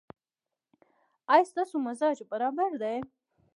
ایا ستاسو مزاج برابر دی؟